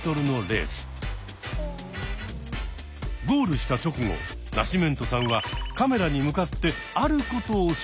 ゴールした直後ナシメントさんはカメラに向かってあることをします。